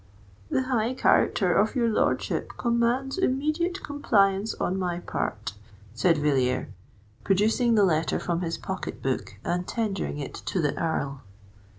"The high character of your lordship commands immediate compliance on my part," said Villiers, producing the letter from his pocket book and tendering it to the Earl.